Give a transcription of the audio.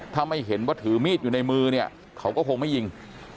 ถ้าไม่เห็นว่าถือมีดอยู่ในมือเนี่ยเขาก็คงไม่ยิง